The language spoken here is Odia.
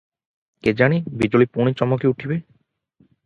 କେଜାଣି ବିଜୁଳି ପୁଣି ଚମକି ଉଠିବେ ।